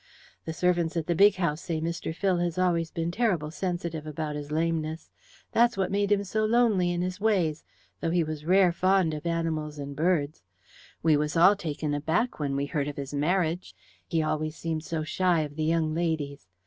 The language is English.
The servants at the big house say Mr. Phil has always been ter'ble sensitive about his lameness. That's what made him so lonely in his ways, though he was rare fond of animals and birds. We was all taken aback when we heard of his marriage. He always seemed so shy of the young ladies.